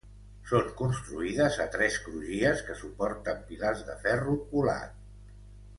Són construïdes a tres crugies que suporten pilars de ferro colat.